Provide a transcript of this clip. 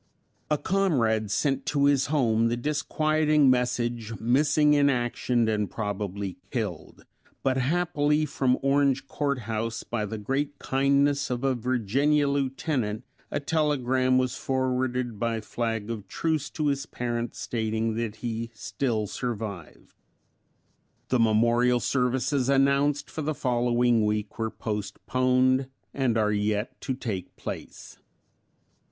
A comrade sent to his home the disquieting message, "missing in action and probably killed," but happily from Orange Courthouse by the great kindness of a Virginia Lieutenant a telegram was forwarded by flag of truce to his parents stating that he still survived. The memorial services announced for the following week were postponed and are yet to take place.